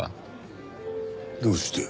どうして？